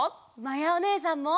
まやおねえさんも！